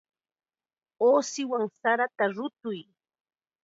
Uusiwan sarata rutuy.